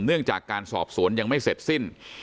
เนื่องจากการสอบสวนยังไม่เสร็จสิ้น